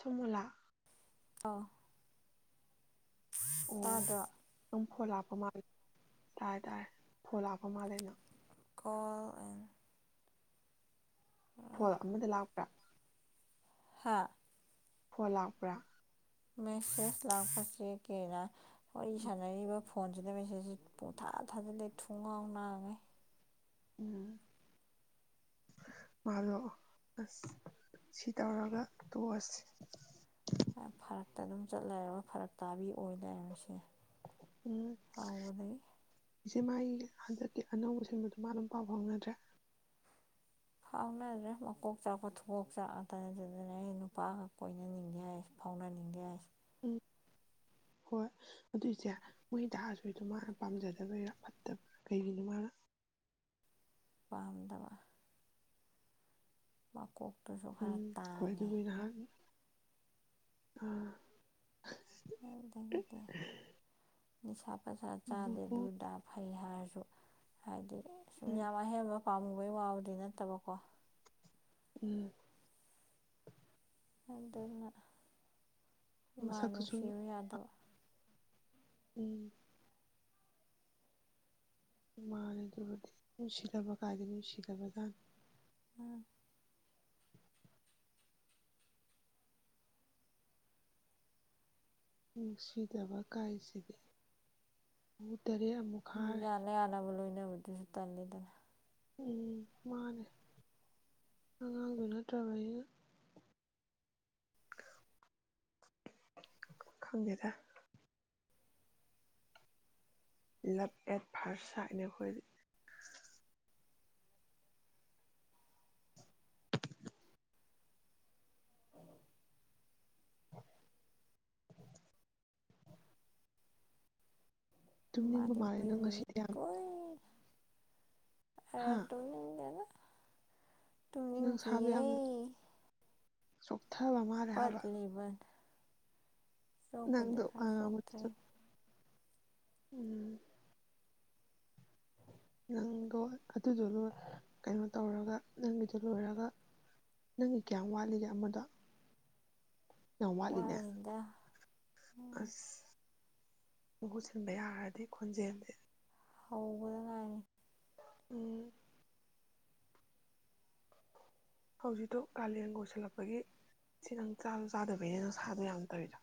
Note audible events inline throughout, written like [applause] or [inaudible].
ꯁꯣꯃꯣꯂ ꯇꯣ ꯑꯣ ꯑꯗꯨꯝꯈꯣ ꯂꯥ ꯂꯥꯛꯄ ꯃꯥꯜꯂꯦ ꯍꯥꯏ ꯍꯥꯏꯇꯥꯔꯦ ꯐꯣꯟ ꯂꯥꯛꯄ ꯃꯥꯜꯂꯦ ꯑꯩꯅ ꯀꯣꯜ ꯑꯦꯟ ꯍ ꯑꯃꯗ ꯂꯥꯛ [unintelligible] ꯍꯥꯥ ꯐꯣꯟ ꯂꯥꯛꯄ꯭ꯔꯥ ꯃꯦꯁ ꯂꯁꯤ ꯀꯔ ꯍꯏ ꯁꯥꯟꯕ ꯐꯣꯟꯁꯤꯗ ꯃꯦꯁꯦꯖꯁꯤ ꯄꯨꯡꯊꯥ ꯊꯥꯖꯤꯂꯦ ꯊꯣꯡ ꯉꯥꯎ ꯅꯥꯉꯦ ꯎꯝ ꯃꯥꯜꯂꯣꯑꯣ ꯑꯁ ꯁꯤ ꯇꯧꯔꯒ ꯇꯣꯛꯑꯁꯤ ꯐꯔꯛꯇ ꯑꯗꯨꯝ ꯆꯠꯂꯔꯒ ꯐꯔꯛ ꯇꯥꯕꯤ ꯑꯣꯏ ꯂꯩ ꯃꯣꯏꯁꯦ ꯎꯝ ꯏꯆꯦ ꯃꯥꯏ ꯍꯟꯗꯛꯇꯤ ꯑꯅꯧꯕꯁꯤꯡꯕꯗꯨ ꯃꯥ ꯑꯗꯨꯝ ꯄꯥꯎ ꯐꯥꯎꯅꯗ꯭ꯔꯦ ꯐꯥꯎꯅꯗ꯭ꯔꯦ ꯃꯀꯣꯛ ꯆꯥꯛꯄ ꯊꯨꯀꯣꯛ ꯆꯥꯛꯑꯗꯅ ꯑꯗꯨꯗꯅ ꯑꯩ ꯅꯨꯄꯥꯒ ꯀꯣꯏꯅꯅꯤꯡꯗꯦ ꯍꯥꯏꯁ ꯐꯥꯎꯅꯅꯤꯡꯗꯦ ꯍꯥꯏꯁꯦ ꯎꯝ ꯍꯣꯏ ꯑꯗꯨꯏꯁꯦ ꯃꯣꯏ ꯇꯍꯥꯔꯁꯨꯗꯣ ꯃꯥꯅ ꯄꯥꯝꯖꯗꯕꯔꯥ ꯐꯠꯇꯕ꯭ꯔꯥ ꯀꯩꯒꯤꯅꯣ ꯃꯥꯅ ꯄꯝꯗ ꯃꯥꯀꯣ ꯎꯝ ꯍꯣꯏ ꯑꯗꯨꯕꯨ ꯅꯍꯥꯛ ꯑꯝ ꯑꯗꯨ ꯊꯗꯤ ꯅꯤꯁꯥ ꯄꯩꯁꯥ ꯆꯥꯗꯦ ꯎꯝ ꯗꯨꯔꯗꯥ ꯐꯩꯍꯥꯔ ꯍꯥꯏꯗꯤ ꯁꯨꯝ ꯌꯥꯝ ꯑꯍꯦꯝꯕ ꯄꯥꯝꯃꯨꯕꯩ ꯋꯥꯕꯗꯤ ꯅꯠꯇꯕꯀꯣ ꯎꯝ ꯑꯗꯅ ꯃꯁꯛꯇꯨ ꯁꯨꯝ ꯃꯥꯅꯨꯁꯤꯕꯨ ꯌꯥꯗꯕ ꯎꯝ ꯃꯅ ꯑꯗꯨꯗꯤ ꯅꯨꯡꯁꯤꯗꯕ ꯀꯥꯏꯗ ꯅꯨꯡꯁꯤꯗꯕꯖꯥꯅꯤ ꯎꯝ ꯅꯨꯡꯁꯤꯗꯕ ꯀꯥꯏꯁꯤꯗꯤ ꯇꯔꯦꯠ ꯑꯃꯨꯛ ꯃꯤ ꯈꯥꯔꯦ ꯌꯥꯅ ꯑꯅꯕꯨꯂ ꯗꯁꯨ ꯇꯜꯂꯤꯅꯤꯗꯅ ꯎꯝ ꯃꯥꯅꯦ ꯑꯉꯥꯡꯗꯨ ꯅꯠꯇ꯭ꯔꯕ ꯑꯩꯅ ꯈꯪꯗꯦꯗ ꯂꯞ ꯑꯦꯠ ꯐꯥꯔꯁ ꯁꯥꯏꯅ ꯑꯩꯈꯣꯏ ꯇꯨꯝꯅꯤꯡꯕ ꯃꯥꯗꯤ ꯃꯥꯜꯂꯦ ꯅꯪ ꯃꯌꯨꯝꯒꯤ ꯃꯤ ꯉꯁꯤꯗꯤ ꯌꯥꯝ ꯑ ꯍꯥ ꯇꯨꯝ ꯅꯤꯡ ꯗꯦꯗ ꯅꯪ ꯁꯥꯕ ꯌꯥꯝꯃꯦ ꯆ‌ꯣꯛ ꯊꯕ ꯃꯥꯜꯂꯦ ꯍꯥꯏꯕ ꯄꯠꯂꯤꯕꯅꯤ ꯆꯣꯛꯄꯨꯗꯤ ꯅꯪꯗꯣ ꯋꯥ ꯈꯔ ꯉꯥꯡ ꯕꯗꯥ ꯁꯨ ꯆꯣꯛꯊꯩ ꯎꯝ ꯅꯪꯗꯣ ꯑꯗꯨꯗꯣ ꯀꯩꯅꯣ ꯇꯧꯔꯒ ꯅꯪꯒꯤꯗꯣ ꯂꯣꯏꯔꯒ ꯅꯪꯒꯤ ꯀꯌꯥꯝ ꯋꯥꯠꯂꯤꯒꯦ ꯑꯃꯗꯣ ꯌꯥꯝ ꯋꯥꯠꯂꯤꯅꯦ ꯋꯥꯠꯂꯤꯗ ꯑꯁ ꯃꯍꯨꯠ ꯁꯤꯟꯕ ꯌꯥꯔꯗꯤ ꯈꯣꯟꯖꯦꯜꯁꯦ ꯍꯧꯕꯗ ꯉꯥꯏꯅꯤ ꯎꯝ ꯍꯧꯖꯤꯛꯇꯣ ꯀꯥꯂꯦꯟ ꯑꯣꯏꯁꯤꯜꯂꯛꯄꯒꯤ ꯁꯤ ꯅꯪ ꯆꯁꯨ ꯆꯥꯗꯕꯩꯅꯦ ꯅꯪ ꯅꯥꯁꯥꯗꯨ ꯌꯥꯝ ꯇꯧꯔꯤꯗꯣ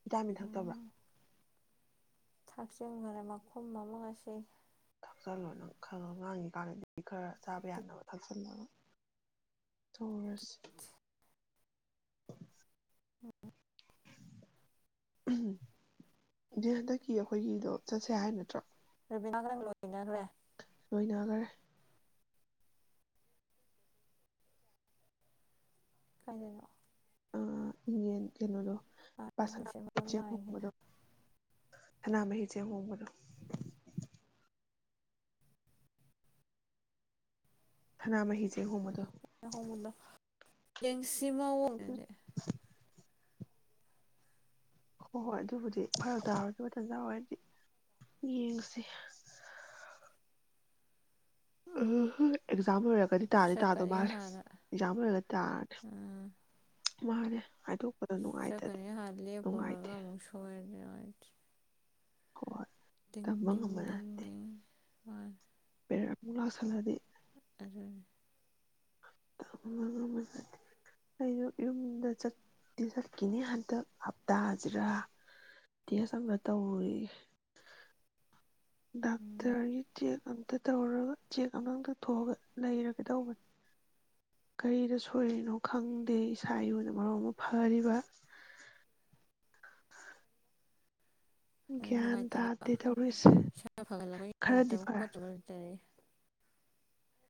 ꯚꯤ ꯇꯥꯃꯤꯟ ꯊꯛꯇꯕ꯭ꯔꯥ ꯊꯛꯆꯤꯟ ꯘꯔꯦ ꯃꯈꯨꯝ ꯑꯃꯥ ꯉꯁꯤꯒꯤ ꯊꯥꯛꯆꯜꯂꯣꯅ ꯈꯔ ꯈꯔ ꯉꯥꯡꯉꯤꯀꯥꯟꯗꯗꯤ ꯈꯔ ꯆꯥꯕ ꯌꯥꯅꯕ ꯊꯛꯆꯜꯂꯒ ꯊꯨꯔꯁꯤ ꯎꯝ ꯍꯟꯗꯛꯀꯤ ꯑꯩꯈꯣꯏꯒꯤꯗꯣ ꯆꯠꯁꯦ ꯍꯥꯏ ꯅꯠꯇ꯭ꯔꯣ ꯔꯕꯤꯅꯥ ꯒꯥ ꯅꯪ ꯒꯥ ꯂꯣꯏꯅꯈ꯭ꯔꯦ ꯂꯣꯏꯅꯒꯔꯦ ꯀꯥꯏꯗꯅꯣ ꯑ ꯏ ꯀꯩꯅꯣꯗꯣ ꯂꯣꯏꯁꯤꯟꯕ ꯑꯃ ꯅꯥꯏꯈꯤꯗ꯭ꯔꯦ [unintelligible] ꯁꯥꯅꯥ ꯃꯍꯍꯤꯁꯦ ꯍꯣꯡꯕꯅꯣ ꯊꯅꯥ ꯃꯍꯤ ꯂꯨꯍꯣꯍꯣꯡꯕꯗꯣ ꯌꯦꯡꯁ ꯁꯤꯃ ꯑꯣꯏꯦ ꯍꯣꯏ ꯍꯣꯏ ꯑꯗꯨꯕꯨꯗꯤ ꯐꯔ ꯇꯥꯔꯗꯤ ꯃꯊꯟꯖꯥꯔ ꯍꯥꯏꯗꯤ ꯌꯦꯡꯁꯤ ꯎꯝ ꯑꯦꯖꯥ ꯑꯣꯏ ꯀꯔꯤ ꯇꯥꯗꯗꯤ ꯇꯥꯗꯣ ꯆꯠꯀꯅꯤ ꯍꯥꯟꯅ ꯔꯖꯃ ꯂꯩꯒ ꯇꯥꯔ ꯎꯝ ꯃꯥꯅꯦ ꯍꯥꯏꯗꯣꯛꯄꯗ ꯅꯨꯡꯉꯥꯏꯇꯗꯤ ꯆꯠꯀꯅꯤ ꯍꯥ ꯂꯦꯞꯄꯔꯒ ꯅꯨꯡꯉꯥꯏꯇꯦ ꯑꯃꯨꯛ ꯁꯣꯏ ꯎ ꯀꯃ ꯀꯃ ꯂꯦ ꯍꯣꯏ ꯄꯦꯔ ꯃꯂꯁꯂꯗꯤ ꯑ ꯑꯩꯁꯨ ꯌꯨꯝꯗ ꯆꯠꯇꯤ ꯆꯠꯈꯤꯅꯤ ꯍꯟꯗꯛ ꯍꯞꯇꯥꯁꯤꯔꯥ ꯇꯦꯁꯝꯕ ꯇꯧꯔꯤ ꯎꯝ ꯗꯥꯛꯇꯔ ꯆ ꯇ ꯇꯧꯔꯒ ꯆꯦꯛ ꯑꯃꯛꯇ ꯊꯣꯛꯣꯛꯑꯒ ꯂꯩꯔꯒꯗꯧꯕꯅꯤ ꯀꯔꯤꯗ ꯁꯣꯏꯔꯤꯅꯣ ꯈꯪꯗꯦ ꯏꯁꯥ ꯏꯨꯅ ꯃꯔꯝ ꯑꯃ ꯐꯔꯤꯕ ꯑꯗꯨ ꯒ꯭ꯌꯥꯟ ꯅꯨꯡꯉꯥꯏꯇꯕ ꯇꯥꯗꯦ ꯇꯧꯔꯁ ꯏꯁꯥ ꯐꯒꯠꯂꯛꯄꯒꯤ ꯈꯔꯗꯤ ꯅꯨꯡꯉꯥꯏꯇꯕ ꯐꯔꯦ ꯈꯣꯠꯇꯕ ꯂꯩꯇꯔꯦ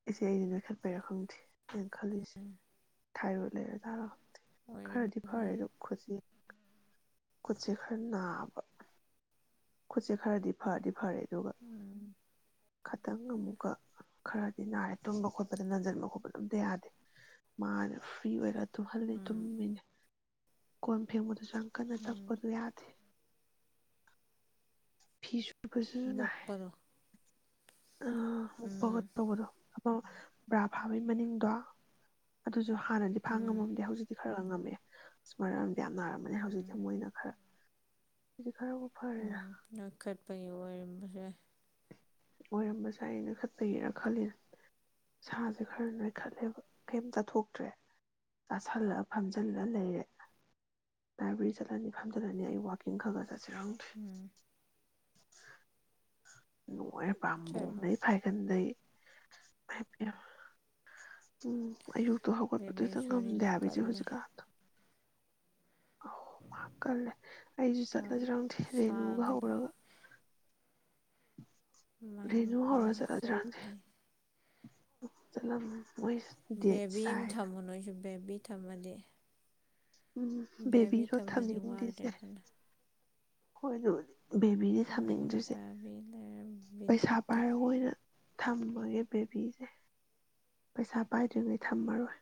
ꯑꯩꯁꯦ ꯑꯩꯅ ꯅꯣꯏꯈꯠꯄꯔꯣ ꯈꯪꯗ꯭ꯦ ꯀꯩꯅ ꯈꯜꯂꯤꯁꯦ ꯎꯝ ꯊꯥꯏꯕꯨ ꯂꯩꯔ ꯥꯔꯣ ꯈꯔꯗꯤ ꯑꯣꯏꯔꯝꯕꯁꯨ ꯐꯔꯦ ꯌꯥꯏ ꯂꯣꯈꯣꯁꯤ ꯈꯨꯠꯁꯦ ꯈꯔ ꯅꯥꯕ ꯈꯨꯠꯁꯦ ꯈꯔꯗꯤ ꯐꯗꯤ ꯐꯔꯦꯗꯤ ꯌꯣꯒ ꯎꯝ ꯈꯇꯪ ꯑꯃꯨꯛꯀ ꯈꯔꯗꯤ ꯅꯥꯔꯦ ꯇꯨꯝꯕ ꯈꯣꯠꯄꯗ ꯅꯟꯁꯤꯟꯕ ꯈꯣꯠꯄ ꯑꯝꯇ ꯌꯥꯗꯦ ꯃꯥꯅ ꯐ꯭ꯔꯤ ꯑꯣꯏꯔꯒ ꯇꯨꯝꯍꯜꯂꯤ ꯎꯝ ꯇꯨꯝꯃꯤꯅꯦ ꯀꯣꯝ ꯐꯦꯃ ꯑꯗꯨꯁꯨ ꯌꯥꯝ ꯀꯟꯅ ꯎꯝ ꯇꯛꯄꯗꯨ ꯌꯥꯗꯦ ꯐꯤꯤꯁ ꯃꯄꯜ ꯑꯄ ꯇꯧꯕꯗ ꯕ꯭ꯔꯥ ꯐꯥꯕꯩ ꯃꯅꯤꯡꯗꯣ ꯑꯗꯨ ꯑꯗꯨ ꯍꯥꯟꯅꯗꯤ ꯐꯥꯡ ꯎꯝ ꯉꯝꯗꯦ ꯍꯧꯖꯤꯛꯇꯤ ꯈꯔ ꯉꯝꯃꯦ ꯑꯃꯥꯡ ꯌꯥꯝ ꯅꯥꯔꯝꯃꯅꯦ ꯍꯧꯖꯤꯛꯇꯤ ꯎꯝ ꯃꯣꯏꯅ ꯈꯔ ꯎꯝ ꯎꯝ ꯀ ꯀꯠꯄꯒꯤ ꯑꯣꯏꯔꯝꯕꯁꯦ ꯑꯣꯏꯔꯝꯕꯁꯦ ꯑ ꯅ ꯈꯄꯒꯤꯦꯅ ꯈꯜꯂꯤ ꯁꯥꯥꯁꯦ ꯈꯔ ꯅꯣꯏꯈꯠꯂꯦꯕ ꯀꯩꯝ ꯆꯥꯊꯣꯛꯇ꯭ꯔꯦ ꯆꯥꯥꯁꯜꯂ ꯐꯝꯖꯜꯂ ꯂꯩꯔꯦ ꯂꯥꯏꯕ꯭ꯔꯦꯔꯤ ꯆꯠꯂꯅꯤ ꯐꯝꯖꯜꯂꯅꯤ ꯑꯩ ꯋꯥꯛꯀꯤꯡ ꯈꯔ ꯈ ꯆꯠꯦ ꯌꯥꯗꯦ ꯎꯝ ꯅꯥꯏ ꯆꯠꯂꯣ ꯝꯕꯨꯨꯡꯗꯩ ꯐꯥꯏꯒꯟꯗꯩ ꯍꯥꯏꯕꯤ ꯎꯝ ꯑꯌꯨꯛꯇꯣ ꯍꯧꯒꯠꯄꯗꯨꯣ ꯇꯪ ꯉꯝꯗꯦ ꯕꯦꯕꯦꯁꯣꯔꯤꯗꯤ ꯍꯥꯏꯕꯁꯦ ꯀꯜꯂꯦ ꯍꯧꯖꯤꯛꯀꯥꯟ ꯑ ꯃꯥ ꯀꯜꯂꯦ ꯑꯩꯁꯨ ꯍꯣꯏ ꯆꯠꯂꯁꯤꯔꯪꯗꯦ ꯔꯦꯅꯨꯒ ꯁꯥꯒꯠꯂꯛꯄ ꯍꯧꯔꯒ ꯃꯥꯏ ꯔꯦꯅꯨ ꯅꯨꯄꯥ ꯁꯠꯂ ꯆꯂ ꯃꯣꯏ ꯗꯦꯠ ꯕꯦꯕꯤ ꯑꯃ ꯁꯥꯏꯅ ꯊꯝꯃꯣ ꯅꯣꯏꯁꯨ ꯕꯦꯕꯤ ꯊꯝꯃꯗꯤ ꯎꯝ ꯕꯦꯕꯤ ꯕꯦꯕꯤꯔꯣ ꯊꯝꯃꯗꯤ ꯊꯝꯅꯤꯡꯂꯤꯁꯦ ꯋꯥꯗ꯭ꯔꯦꯗꯅ ꯍꫭꯏ ꯑꯗꯨ꯫ ꯕꯦꯕꯤꯗꯤ ꯃꯣꯏꯗꯤ ꯊꯝꯅꯤꯡꯗ꯭ꯔꯤꯁꯦ ꯕꯦꯕꯤ ꯂꯩꯔ ꯄꯩꯁꯥ ꯕꯤꯠꯇ ꯄꯥꯏꯔꯒ ꯑꯣꯏꯅ꯫ ꯊꯃꯒꯦ ꯕꯦꯕꯤꯁꯦ ꯄꯩꯁꯥ ꯄꯥꯏꯗ꯭ꯔꯤꯉꯩ ꯊꯝꯃꯔꯣꯏ꯫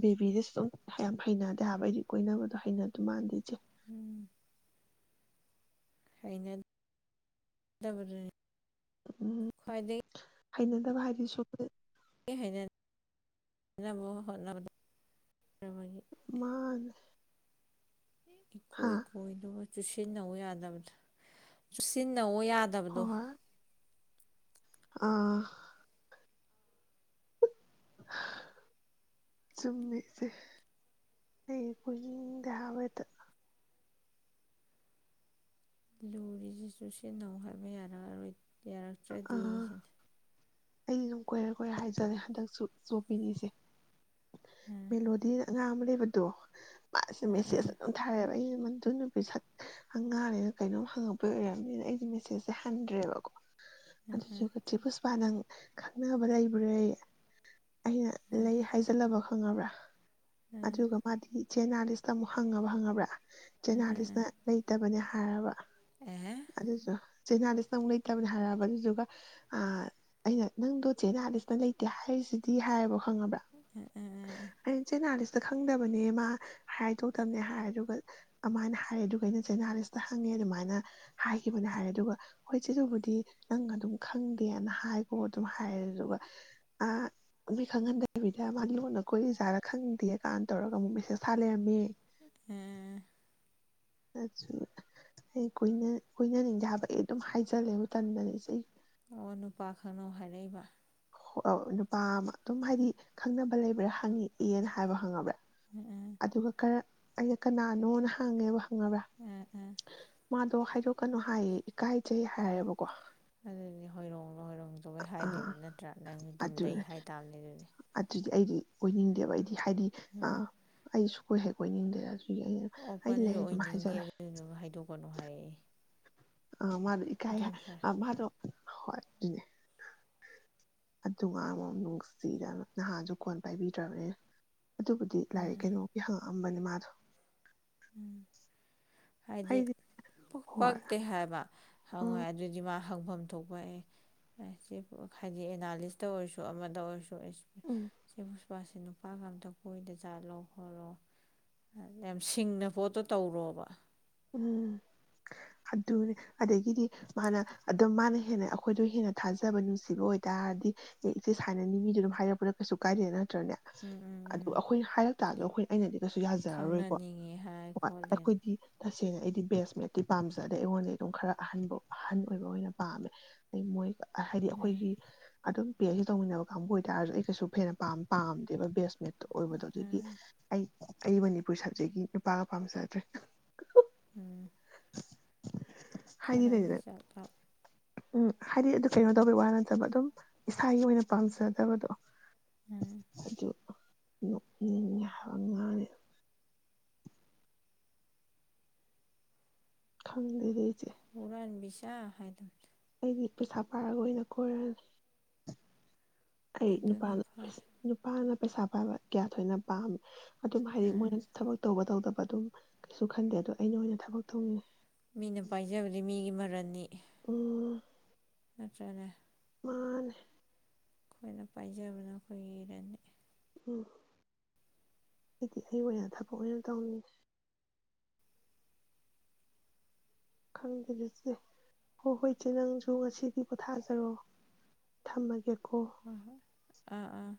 ꯕꯦꯕꯤꯗꯤ ꯑꯗꯨꯨꯝ ꯌꯥꯝ ꯍꯩꯅꯗꯦ ꯍꯥꯏꯕ ꯑꯩꯗꯤ ꯀꯣꯏꯅꯕꯗꯣ ꯍꯩꯅꯗꯧ ꯃꯥꯟꯗꯦ ꯏꯆꯦ꯫ ꯎ ꯍꯩꯅ ꯗꯕ꯫ ꯎꯝ ꯈ꯭ꯋꯥꯏꯗꯩ꯫ ꯍꯩꯅꯗꯕ ꯍꯥꯏꯗꯨꯏꯁꯨꯄꯨꯗꯤ꯫ [unintelligible] [unintelligible] ꯃꯥꯅꯦ ꯍꯥ ꯏꯀꯣꯏ ꯀꯣꯏꯗꫭꯕ꯫ ꯆꯨꯁꯤꯟꯅꯧ ꯌꯥꯗꯕꯗꫭ ꯆꯨꯁꯤꯟꯅꯧ꯫ ꯑꯣ ꯌꯥꯗꯕꯗꯣ꯫ ꯍꯣꯏ ꯍꯣꯏ ꯑꯥ꯫ ꯆꯨꯝꯃꯦ ꯑꯗꯤ ꯑꯩ ꯀꫭꯏꯅꯨꯡꯗꯦ ꯍꯥꯏꯕ ꯍꯦꯇ꯫ ꯂꯨꯔꯤꯁꯤ ꯆꯨꯁꯤꯟꯅꯧ ꯍꯥꯏꯕ ꯌꯥꯔꯑꯔꯣꯏ꯫ ꯑꯥ ꯌꯥꯔꯛꯇ꯭ꯔꯗꯤ꯫ ꯑꯩꯗꯤ ꯑꯗꯨꯝ ꯀꯣꯏꯔꯦ ꯀꯣꯏꯔꯦ ꯍꯥꯏꯖꯂꯦ ꯍꯟꯗꯛꯁꯨ ꯆꯣꯞꯄꯤꯅꯤꯏꯆꯦ꯫ ꯑꯥ ꯃꯤ ꯂꯣꯗꯤꯅ꯫ ꯑꯉꯥꯡꯃ ꯂꯩꯕꯗꫭ꯫ ꯃꯥ ꯑꯥ ꯃꯦꯁꯦꯖ ꯊꯥꯏꯔꯑꯦꯕ ꯑꯩꯅ꯫ ꯃꯗꯨ ꯅꯨꯄꯤ ꯁꯛ ꯉꯅꯤꯦꯅ ꯀꯩꯅꯣꯝ ꯍꯪꯉꯛꯄꯩ ꯑꯣꯏꯔꯕꯅꯤꯅ ꯑꯩꯗꯤ ꯃꯦꯁꯦꯁꯁꯦ ꯍꯟꯗ꯭ꯔꯦꯕꯀꯣ꯫ ꯑꯥ ꯑꯗꯨꯗꯨꯒ ꯆꯦꯄꯨꯁꯄ ꯅꯪ꯫ ꯈꯪꯅꯕ ꯂꯩꯕ꯭ꯔꯌꯦ꯫ ꯑꯩꯅ ꯂꯩ ꯍꯥꯏꯖꯜꯂꯕ꯫ ꯈꯪꯉꯕ꯭ꯔꯥ꯫ ꯑꯥ ꯑꯗꯨꯒ ꯃꯥꯗꯤ꯫ ꯆꯦꯅꯥꯂꯤꯁꯇ ꯑꯃꯨꯛ ꯍꯪꯉꯕ ꯍꯪꯉꯕ꯭ꯔꯥ꯫ ꯑꯥ ꯑꯥ ꯆꯦꯅꯥꯂꯤꯁꯅ ꯂꯩꯇꯕꯅꯦ꯫ ꯍꯥꯏꯔꯕ꯫ ꯑꯥ ꯑꯦ ꯑꯥ ꯑꯗꯨꯗꯁꯨ꯫ ꯆꯦꯅꯥꯂꯤꯁꯅ ꯂꯩꯇꯕꯅꯦ꯫ ꯍꯥꯏꯔꯕ ꯑꯗꯨꯗꯨꯒ ꯑꯩꯅ ꯅꯪꯗꯣ ꯆꯦꯅꯥꯂꯤꯁꯅ ꯂꯩꯇꯦ ꯍꯥꯏꯔꯤꯁꯤꯗꯤ ꯍꯥꯏꯌꯦꯕ꯫ ꯈꯪꯉꯕ꯭ꯔ ꯑꯥ ꯑꯩꯅ ꯆꯦꯅꯥꯂꯤꯁ꯫ ꯈꯪꯗꯕꯅꯦ ꯃꯥ ꯍꯥꯏꯗꫭꯛꯇꯕꯅꯦ ꯍꯥꯏꯔꯦ ꯑꯗꯨꯒ ꯑꯗꯨꯃꯥꯏꯅ ꯍꯥꯏꯔꯦ ꯑꯗꯨꯒ ꯑꯩꯅ ꯆꯦꯅꯥꯂꯤꯁꯇ ꯍꯪꯉꯦ ꯑꯗꯨꯃꯥꯏꯅ ꯍꯥꯏꯈꯤꯕꯅꯦ ꯍꯥꯏꯔꯦ ꯑꯗꯨꯒ ꯍꯣꯏ ꯆꯦꯗꯨꯕꯨꯗꯤ꯫ ꯅꯪ ꯑꯗꯨꯝ ꯈꯪꯗꯦꯅ ꯍꯥꯏꯈꯣ ꯑꯗꯨꯝ ꯍꯥꯏꯔꯗꯨꯒ ꯑ ꯃꯤ ꯈꯪꯍꯟꯗꯕꯤꯗ ꯃꯥ ꯂꯣꯟꯅ ꯀꯣꯏ ꯏꯖꯥꯗ ꯈꯪꯗꯦ ꯀꯥꯟꯅ ꯇꯧꯔꯒ ꯑꯃꯨꯛ ꯃꯦꯁꯦꯁ ꯊꯥ ꯂꯩꯔꯝꯃꯦ꯫ ꯎꯝ꯫ ꯑꯗꯨ ꯑꯩ ꯀꯣꯏ ꯀꯣꯏꯅꯅꯤꯡꯗꯦ ꯍꯥꯏꯕ ꯑꯩ ꯑꯗꯨꯝ ꯍꯥꯏꯖꯜꯂꯦ ꯃꯇꯝꯗꯅꯤꯏꯆꯦ꯫ ꯑꯣ ꯅꯨꯄꯥ ꯈꯪꯅꯧ ꯍꯥꯏꯔꯛꯏꯕ ꯅꯨꯄꯥ ꯑꯃ ꯑꯗꯨꯝ ꯍꯥꯏꯗꯤ ꯈꯪꯅꯕ ꯂꯩꯕ꯭ꯔꯥ ꯍꯪꯉꯤ ꯑꯦꯅ ꯍꯥꯏꯕ ꯍꯪꯉꯕ꯭ꯔꯥ ꯑꯗꯨꯒꯔ ꯑꯩꯅ ꯀꯅꯥꯅꯣꯅ ꯍꯪꯉꯦꯕ ꯭ꯔ ꯑꯥ ꯑꯥ ꯃꯥꯗꯣ ꯍꯥꯏꯗ ꯀꯩꯅꯣ ꯍꯥꯏꯌꯦ ꯀꯥꯏꯆꯩ ꯎꯝ ꯍꯥꯏꯔꯦꯕꯀꯣ ꯑ ꯑꯗꯨꯗꯤ ꯍꯣꯏꯔꯣꯡꯂꯣ ꯍꯣꯏꯔꯣꯡꯗꯕꯩ ꯑꯥ ꯍꯥꯏꯗꯣꯏꯕ ꯅꯠꯇ꯭ꯔꯥ ꯅꯪꯗꯤ ꯑꯗꯨꯝ ꯑꯗꯨ ꯂꯩ ꯍꯥꯏꯇꯥꯥꯕꯅꯤ ꯑꯗꯨꯗꯤ ꯑꯗꯨꯗꯤ ꯑꯩꯗꯤ ꯑꯣꯏꯅꯤꯡꯗꯦꯕ ꯑꯩꯗꯤ ꯍꯥꯏꯗꯤ ꯑ ꯁꯨ ꯀꯣꯏꯍꯦ ꯀꯣꯏꯅꯤꯡꯗꯦ ꯑꯗꯨꯁꯨ ꯑꯣꯄꯟꯁꯨ ꯑꯣꯏꯅꯤꯡꯗꯦ ꯑꯗꯨꯗꯨꯅ ꯍꯥꯏꯗꯣꯛꯀꯅꯨ ꯍꯥꯏꯔꯛꯑꯦ ꯑ ꯃꯥꯗꯨ ꯏ ꯀꯥꯏ ꯑꯗꯨꯝ ꯐꯔꯦ ꯃꯗꯨ ꯍꯣꯏ ꯑꯗꯨꯅꯦ ꯑꯗꯨ ꯉꯥꯡ ꯑꯃꯨ ꯅꯨꯡꯁꯤꯗ ꯅꯍꯥꯁꯨ ꯀꯣꯟ ꯄꯥꯏꯕꯤꯗ꯭ꯔꯕꯅꯦ ꯑꯗꯨꯕꯨꯗꯤ ꯂꯥꯏꯔꯤꯛ ꯀꯩꯅꯣꯒꯤ ꯍꯪꯉ ꯑꯝꯕꯥꯅꯤ ꯃꯥꯙꯧ ꯎꯝ ꯍꯥꯏꯗꯤ ꯄꯣꯛ ꯍꯣꯏ ꯄꯛꯇꯦ ꯍꯥꯏꯕ ꯍ ꯍꯣꯏ ꯎꯝ ꯑꯗꯨꯗꯤ ꯍꯪ ꯊꯣꯛ ꯍꯥꯏꯗꯤ ꯑꯦꯅꯥ ꯑꯣꯏꯔ ꯑꯃ ꯑꯣꯏ ꯎꯝ inaudible ꯅꯨꯄꯥꯁꯤ ꯅꯨꯄꯥꯒ ꯑꯝꯇ ꯀꯣꯏꯗ ꯆꯥꯠꯂꯣ ꯈꯣꯠꯂꯣ ꯁꯤꯡꯅ ꯄꯣꯠꯇꯣ ꯇꯧꯔꯣꯕ ꯎꯝ ꯑꯗꯨꯅꯦ ꯑꯗꯒꯤꯗꯤ ꯃꯥꯅ ꯑꯗꯨꯝ ꯃꯥꯅ ꯍꯦꯟꯅ ꯑꯩꯈꯣꯏꯗꯣ ꯍꯦꯟꯅ ꯊꯥꯖꯕ ꯅꯨꯡꯁꯤꯕ ꯑꯣꯏꯇꯥꯔꯗꯤ ꯑꯦ ꯏꯆꯦ ꯁꯥꯏꯅꯅꯤ ꯃꯤꯗꯨꯣ ꯑꯗꯨꯝ ꯍꯥꯏꯔꯛꯄꯗ ꯀꯩꯁꯨ ꯀꯥꯏꯗꯦꯅ ꯅꯦ ꯎꯝ ꯎꯝ ꯑꯗꯨ ꯎꯝ ꯑꯩꯈꯣꯏꯅ ꯍꯥꯏꯔꯛ ꯇꯥꯗꯣ ꯑꯩꯈꯣꯏ ꯑꯩꯅꯗꯤ ꯅꯁꯨ ꯌꯥꯖꯔꯔꯣꯏꯀꯣ ꯈꯪꯅꯅꯤꯡꯉꯦ ꯍꯥꯏ ꯈꯣꯠꯂꯦꯅ ꯑꯩꯈꯣꯏꯗꯤ ꯏꯁꯦꯡꯅ ꯑꯩꯗꯤ ꯕꯦꯁꯃꯦꯠꯇꯤ ꯄꯥꯝꯖ ꯑꯗꯩ ꯑꯩꯉꯣꯟꯗ ꯑꯗꯨꯝ ꯈꯔ ꯑꯍꯟꯕ ꯑꯍꯟ ꯑꯣꯏꯕ ꯑꯣꯏꯅ ꯄꯥꯝꯃꯦ ꯑ ꯃꯣꯏ ꯍꯥꯏꯗꯤ ꯎꯝ ꯑꯩꯈꯣꯏꯒꯤ ꯑꯗꯨꯝ ꯤ ꯑꯦꯁ ꯁꯤ ꯇꯧꯃꯤꯟꯅꯕ ꯀꯥꯡꯕꯨ ꯑꯣꯏꯇꯥꯔꯁꯨ ꯑꯩ ꯀꯩꯁꯨ ꯐꯦ ꯄꯝ ꯄꯥꯝꯗꯦꯕ ꯕꯦꯁꯃꯦ ꯑꯣꯏꯕꯗꯣ ꯑꯗꯒꯤ ꯎꯝ ꯑꯩ ꯑꯩ ꯃꯅꯤꯄꯨꯔ ꯁꯕꯖꯦꯛꯀꯤ ꯅꯨꯄꯥꯒ ꯄꯥꯝꯖꯗ꯭ꯔꯦ [unintelligible] ꯎꯝ ꯍꯥꯏꯗꯤ ꯈꯔꯗꯤ ꯂꯩꯗꯅ ꯆꯞꯂꯞ ꯎꯝ ꯍꯥꯏꯗꯤ ꯑꯗꯨ ꯀꯩꯅꯣ ꯇꯧꯕꯒꯤ ꯋꯥ ꯅꯠꯇꯕ ꯑꯗꯨꯝ ꯏꯁꯥꯒꯤ ꯑꯣꯏꯅ ꯄꯥꯝꯖꯗꯕꯗꯣ ꯎꯝ ꯑꯗꯨꯗꯣ ꯉꯅꯤ ꯈꯪꯗꯗ ꯎꯔꯥꯅꯤ ꯃꯤꯁꯥ ꯍꯥꯏ ꯑꯗꯨꯝ ꯑꯩꯗꯤ ꯄꯩꯁꯥ ꯄꯥꯏꯔꯒ ꯑꯣꯏꯅ ꯀꯣꯏꯔꯅꯤ ꯑꯩ ꯑꯗꯨꯅ ꯅꯨꯄꯥꯅ ꯐꯔꯦ ꯅꯨꯄꯥꯅ ꯄꯩꯁꯥ ꯄꯥꯏꯕ ꯀꯌꯥ ꯊꯣꯏꯅ ꯄꯥꯝꯃꯤ ꯑꯗꯨꯝ ꯍꯥꯏꯗꯤ ꯎꯝ ꯃꯣꯏꯅ ꯊꯕꯛ ꯇꯧꯕ ꯇꯧꯗꯕ ꯑꯗꯨꯝ ꯀꯩꯁꯨ ꯈꯟꯗꯦ ꯑꯗꯣ ꯑꯩꯅ ꯑꯣꯏꯅ ꯊꯕꯛ ꯊꯣꯡꯅꯤꯡ ꯃꯤꯅ ꯄꯥꯏꯖꯕꯗꯤ ꯃꯤꯒꯤ ꯃꯔꯜꯅꯤ ꯎꯝ ꯠꯇꯅꯦꯦ ꯃꯥꯥꯟ ꯑꯩꯈꯣꯏꯅ ꯄꯥꯏꯖꯕꯅ ꯑꯩꯈꯣꯏꯒꯤꯔꯅꯤ ꯎꯝ ꯍꯥꯏꯗꯤ ꯑꯩ ꯑꯣꯏꯅ ꯑꯣꯏꯅ ꯊꯕꯛ ꯑꯣꯏꯅ ꯇꯧꯅꯤ ꯈꯪꯗꯦꯆꯦ ꯍꯣꯏ ꯍꯣꯏ ꯏꯆꯦ ꯅꯪꯁꯨ ꯉꯁꯤꯗꯤ ꯄꯣꯊꯥꯖꯔꯛꯑꯣ ꯊꯝꯃꯒꯦ ꯑ ꯑꯥ ꯑꯥ